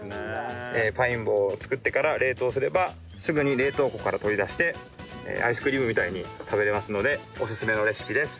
パイン棒を作ってから冷凍すればすぐに冷凍庫から取り出してアイスクリームみたいに食べられますのでオススメのレシピです。